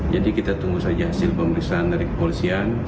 jadi kita tunggu saja hasil pemeriksaan dari kepolisian